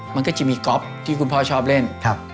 มันก็จะมีก๊อฟที่คุณพ่อชอบเล่น